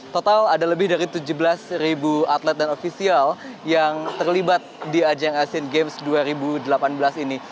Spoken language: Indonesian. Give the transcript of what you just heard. total ada lebih dari tujuh belas ribu atlet dan ofisial yang terlibat di ajang asian games dua ribu delapan belas ini